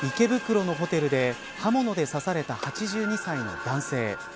東京、池袋のホテルで刃物で刺された８２歳の男性。